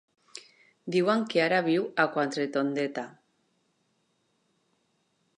Diuen que ara viu a Quatretondeta.